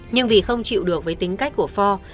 nhưng vì không chịu được với tính cách của for